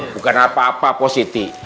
bukan apa apa positi